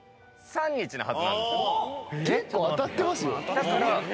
だから。